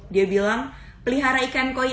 dia bilang pelihara ikan koi